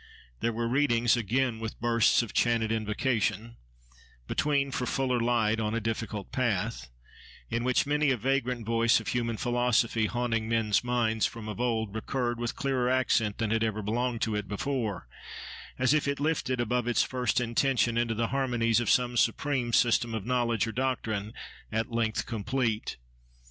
There were readings, again with bursts of chanted invocation between for fuller light on a difficult path, in which many a vagrant voice of human philosophy, haunting men's minds from of old, recurred with clearer accent than had ever belonged to it before, as if lifted, above its first intention, into the harmonies of some supreme system of knowledge or doctrine, at length complete.